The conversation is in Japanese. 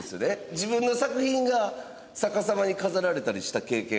自分の作品が逆さまに飾られたりした経験は？